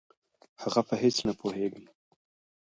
هغه په هېڅ نه پوهېږي.